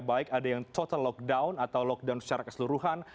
baik ada yang total lockdown atau lockdown secara keseluruhan